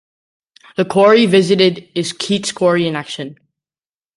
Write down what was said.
The quarry visited is Keats Quarry in Acton.